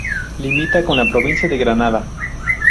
Limita con la provincia de Granada.